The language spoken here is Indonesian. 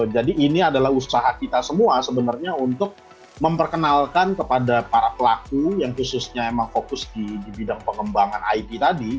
jadi ini adalah usaha kita semua sebenarnya untuk memperkenalkan kepada para pelaku yang khususnya fokus di bidang pengembangan it tadi